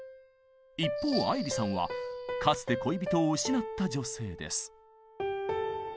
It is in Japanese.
一方愛理さんはかつて恋人を失った女性です。